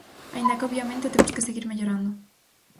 Aínda que obviamente temos que seguir mellorando.